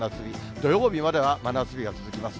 土曜日までは真夏日が続きます。